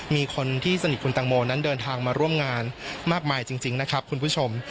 มีคนที่สนิทคุณตังโมนั้นเดินทางมาร่วมงานมากมายจริงนะครับคุณผู้ชม